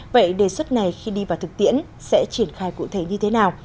vậy đề xuất này khi đi vào thực tiễn sẽ triển khai cụ thể như thế nào